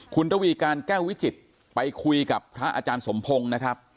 คุณระวีการแก้ววิจิตรไปคุยกับพระอาจารย์สมพงศ์นะครับ